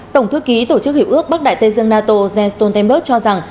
tổng thư ký tổ chức hiệu ước bắc đại tây dương nato jen stoltenberg cho rằng